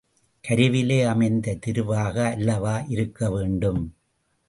கருவிலே அமைந்த திருவாக அல்லவாக இருக்க வேண்டும்.